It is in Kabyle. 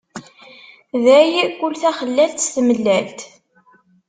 Day kul taxellalt s tmellalt?